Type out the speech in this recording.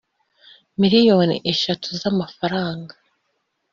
miliyoni eshatu z amafaranga